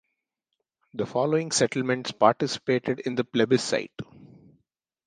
The following settlements participated in the plebiscite.